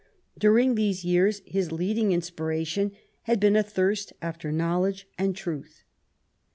During these years his leading inspiration had been a thirst after knowledge and truth.